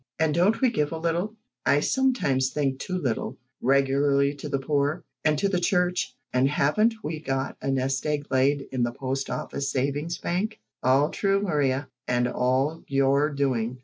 "And don't we give a little I sometimes think too little regularly to the poor, and to the church, and haven't we got a nest egg laid by in the Post office savings bank?" "All true, Mariar, and all your doing.